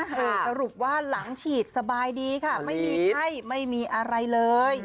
สรุปว่าหลังฉีดสบายดีค่ะไม่มีไข้ไม่มีอะไรเลย